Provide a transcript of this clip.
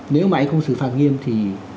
nếu mà ấy không xử phạt nghiêm thì